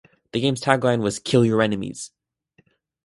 The game's tagline was Kill your enemies.